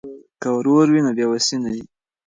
که ورور وي نو بې وسي نه وي.